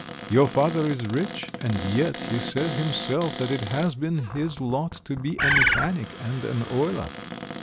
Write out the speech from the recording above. Your father is rich, and yet he says himself that it has been his lot to be a mechanic and an oiler."